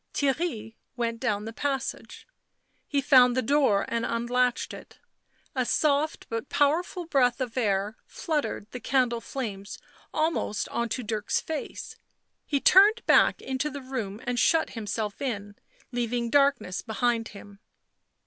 Theirry went down the passage. He found the door and unlatched it; a soft but powerful breath of air fluttered the candle flames almost on to Dirk's face ; he turned back into the room and shut himself in, leaving darkness behind him.